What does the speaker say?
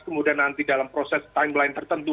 kemudian nanti dalam proses timeline tertentu